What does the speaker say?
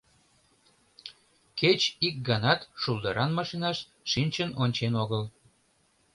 Кеч ик ганат шулдыран машинаш шинчын ончен огыл.